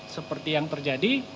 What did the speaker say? seperti yang terjadi